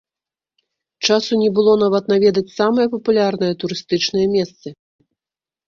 Часу не было нават наведаць самыя папулярныя турыстычныя месцы.